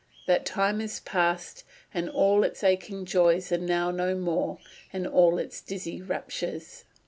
... That time is past, And all its aching joys are now no more, And all its dizzy raptures.